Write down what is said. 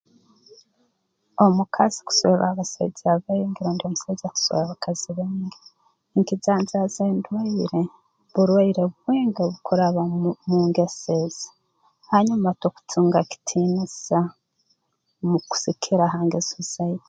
Omukazi kuswerwa abasaija baingi rundi omusaija kuswera abakazi baingi nkijanjaaza endwaire burwaire bwingi obukuraba mu ngeso ezi hanyuma tokutunga kitiinisa mu kusigikirra ha ngeso zai